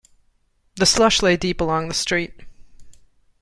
The slush lay deep along the street.